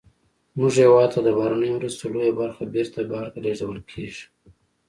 زمونږ هېواد ته د بهرنیو مرستو لویه برخه بیرته بهر ته لیږدول کیږي.